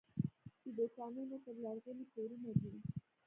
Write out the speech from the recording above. د دوکانونو پر لرغوني کورونه دي.